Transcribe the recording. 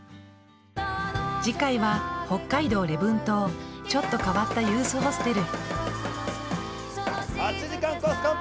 次回は、北海道礼文島ちょっと変わったユースホステル。